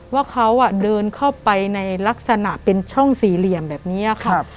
ว่าเขาเดินเข้าไปในลักษณะเป็นช่องสี่เหลี่ยมแบบนี้ค่ะ